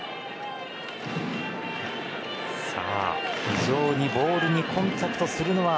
非常にボールにコンタクトするのは